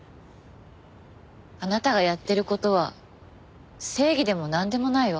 あなたがやってる事は正義でもなんでもないわ。